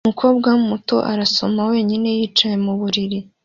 Umukobwa muto arisoma wenyine yicaye muburiri